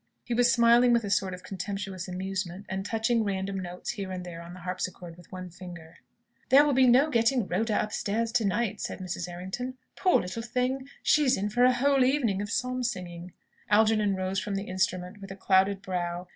He was smiling with a sort of contemptuous amusement, and touching random notes here and there on the harpsichord with one finger. "There will be no getting Rhoda upstairs to night," said Mrs. Errington. "Poor little thing! she's in for a whole evening of psalm singing." Algernon rose from the instrument with a clouded brow.